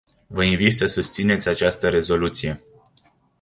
Vă invit să susțineți această rezoluție.